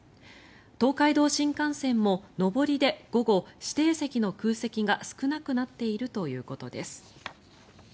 東海道新幹線も上りで午後、指定席の空席が少なくなっているということです。